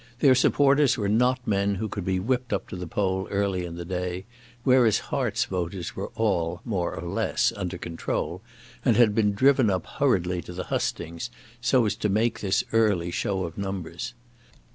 Their supporters were not men who could be whipped up to the poll early in the day, whereas Hart's voters were all, more or less, under control, and had been driven up hurriedly to the hustings so as to make this early show of numbers.